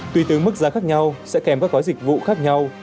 tuy tướng mức giá khác nhau sẽ kèm các gói dịch vụ khác nhau